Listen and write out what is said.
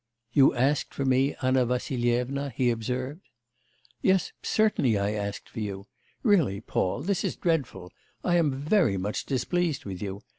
'You asked for me, Anna Vassilyevna?' he observed. 'Yes, certainly I asked for you. Really, Paul, this is dreadful. I am very much displeased with you.